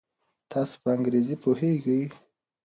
تاسو په انګریزي پوهیږئ؟